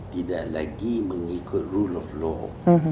tidak lagi mengikut rule of law